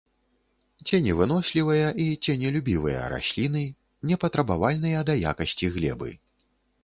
Ценевынослівыя і ценелюбівыя расліны, непатрабавальныя да якасці глебы.